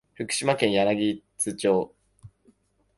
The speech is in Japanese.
福島県柳津町